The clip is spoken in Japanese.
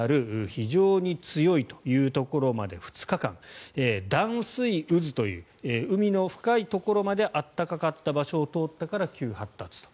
非常に強いというところまで２日間暖水渦という海の深いところまで暖かった場所を通ったから急発達と。